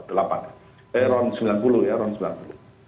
eh ron sembilan puluh ya ron sembilan puluh